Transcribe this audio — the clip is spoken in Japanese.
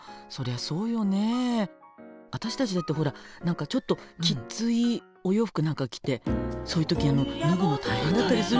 あたしたちだってほら何かちょっときついお洋服なんか着てそういう時脱ぐの大変だったりするじゃない。